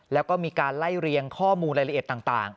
แล้วก็มีการไล่เรียงข้อมูลรายละเอียดต่าง